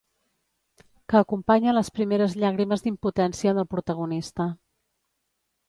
Que acompanya les primeres llàgrimes d'impotència del protagonista.